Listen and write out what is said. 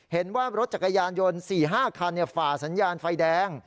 เห็นว่ารถจักรยานยนต์๔๕คันฝ่าสัญญาณไฟแดง